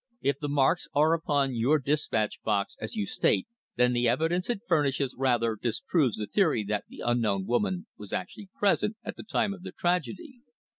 If the marks are upon your despatch box as you state, then the evidence it furnishes rather disproves the theory that the unknown woman was actually present at the time of the tragedy."